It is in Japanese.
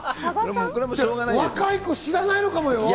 若い子、知らないのかもよ。